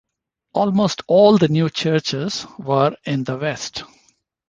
Almost all the new churches were in the West.